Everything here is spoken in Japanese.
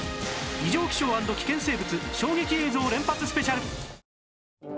異常気象＆危険生物衝撃映像連発スペシャル